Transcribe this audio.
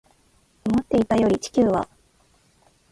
思っていたより地球は